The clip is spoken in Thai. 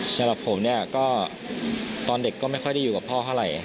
สำหรับผมเนี่ยก็ตอนเด็กก็ไม่ค่อยได้อยู่กับพ่อเท่าไหร่